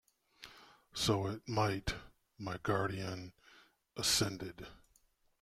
"So it might," my guardian assented.